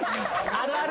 あるある。